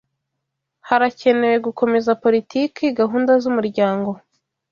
Harakenewe gukomeza politiki gahunda z'umuryango